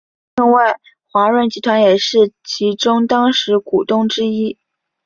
另外华润集团也是其中当时股东之一。